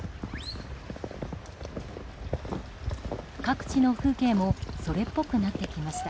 各地の風景もそれっぽくなってきました。